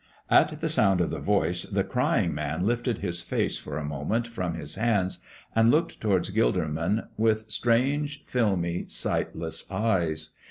At the sound of the voice the crying man lifted his face for a moment from his hands and looked towards Gilderman with strange, filmy, sightless eyes.